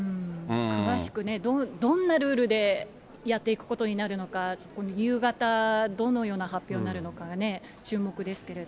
詳しくどんなルールでやっていくことになるのか、夕方、どのような発表になるのか、注目ですけれど。